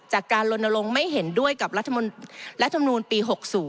การลนลงไม่เห็นด้วยกับรัฐมนูลปี๖๐